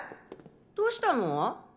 どうしたの？